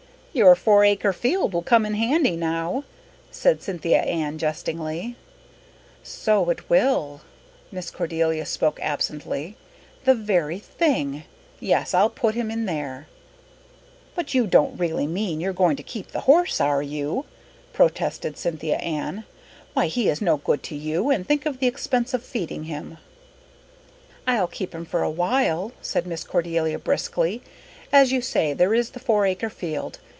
"Your four acre field will come in handy now," said Cynthia Ann jestingly. "So it will." Miss Cordelia spoke absently. "The very thing! Yes, I'll put him in there." "But you don't really mean that you're going to keep the horse, are you?" protested Cynthia Ann. "Why, he is no good to you and think of the expense of feeding him!" "I'll keep him for a while," said Miss Cordelia briskly. "As you say, there is the four acre field.